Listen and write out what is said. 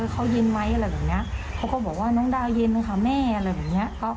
เขาเย็นไหมอะไรแบบนี้เขาก็บอกว่าน้องดาวเย็นนะคะแม่อะไรแบบนี้